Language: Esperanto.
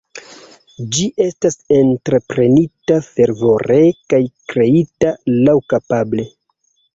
Ĝi estas entreprenita fervore kaj kreita laŭkapable.